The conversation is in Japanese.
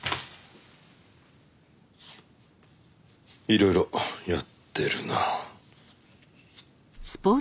いろいろやってるな。